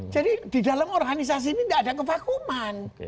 jadi di dalam organisasi ini tidak ada kevakuman